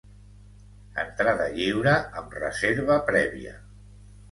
Entrada lliure amb reserva prèvia.